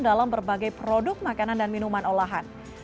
dalam berbagai produk makanan dan minuman olahan